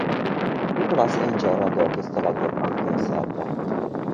Nicholas Angel rendőrtiszt a legjobb Anglia-szerte.